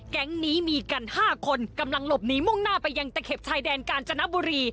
แก๊งนี้มีกัน๕คนกำลังหลบหนีมุ่งหน้าไปยังตะเข็บชายแดนกาญจนบุรี